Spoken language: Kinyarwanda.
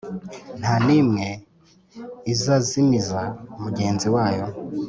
nta n’imwe izazimiza mugenzi wayo,